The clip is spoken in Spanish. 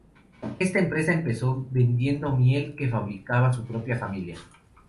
Esta empresa empezó vendiendo miel que fabricaba su propia familia.